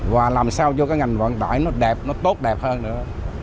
và làm sao cho cái ngành vận tải nó đẹp nó tốt đẹp hơn nữa